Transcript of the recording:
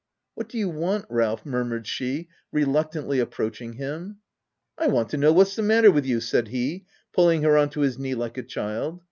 " What do you want Ralph ?" murmured she, reluctantly approaching him. "I want to know what's the matter with you," said he, pulling her on to his knee like a child.